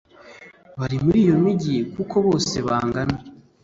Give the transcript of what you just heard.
bari muri iyo migi kuko bose bangana